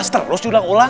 terus diulang ulang